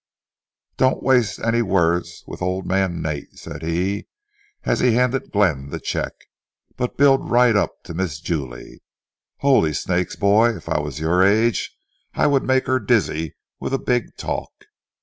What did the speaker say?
"Don't waste any words with old man Nate," said he, as he handed Glenn the check; "but build right up to Miss Jule. Holy snakes, boy, if I was your age I would make her dizzy with a big talk.